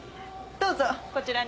どうぞこちらに。